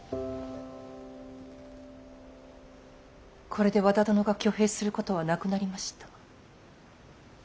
これで和田殿が挙兵することはなくなりました。